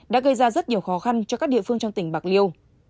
đưa ra rất nhiều khó khăn cho các địa phương trong tỉnh bạc liêu